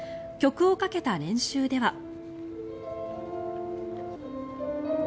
曲をかけた練習では。